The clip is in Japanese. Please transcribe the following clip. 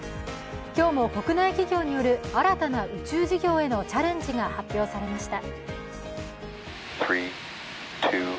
今日も国内企業による、新たな宇宙企業へのチャレンジが発表されました。